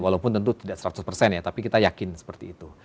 walaupun tentu tidak seratus persen ya tapi kita yakin seperti itu